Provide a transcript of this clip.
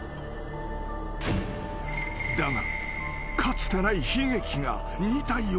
［だが］